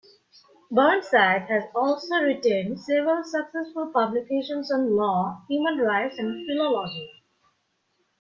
Burnside has also written several successful publications on law, human rights and philology.